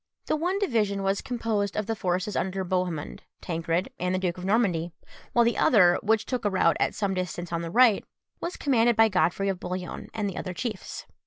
The one division was composed of the forces under Bohemund, Tancred, and the Duke of Normandy; while the other, which took a route at some distance on the right, was commanded by Godfrey of Bouillon and the other chiefs.